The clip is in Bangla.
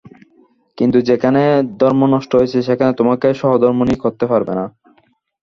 কিন্তু যেখানে ধর্মনষ্ট হয়েছে সেখানে তোমাকে সহধর্মিণী করতে পারব না।